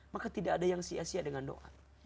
maka tidak ada yang sia sia dengan doa